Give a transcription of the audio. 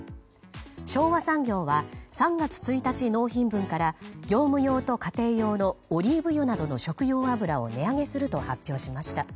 昭和産業は３月１日納品分から業務用と家庭用のオリーブ油などの食用油を値上げすると発表しました。